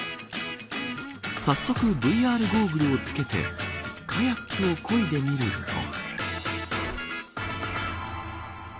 早速ＶＲゴーグルを着けてカヤックをこいでみると。